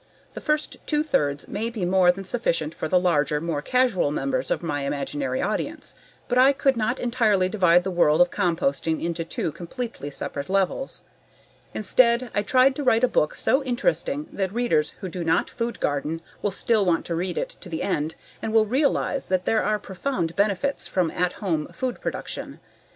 The first two thirds may be more than sufficient for the larger, more casual members of my imaginary audience. But I could not entirely divide the world of composting into two completely separate levels. Instead, I tried to write a book so interesting that readers who do not food garden will still want to read it to the end and will realize that there are profound benefits from at home food production.